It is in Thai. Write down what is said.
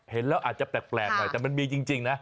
เห็นแล้วอาจจะแปลกหน่อยแต่มันมีจริงนะ